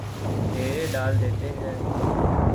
ڈیرے ڈال دیتے ہیں